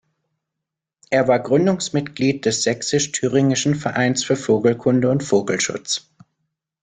Er war Gründungsmitglied des "Sächsisch-Thüringischen Vereins für Vogelkunde und Vogelschutz".